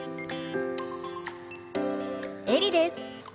エリです！